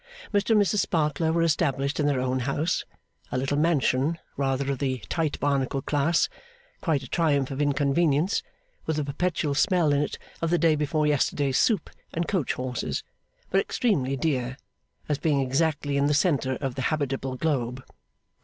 Mr and Mrs Sparkler were established in their own house: a little mansion, rather of the Tite Barnacle class, quite a triumph of inconvenience, with a perpetual smell in it of the day before yesterday's soup and coach horses, but extremely dear, as being exactly in the centre of the habitable globe.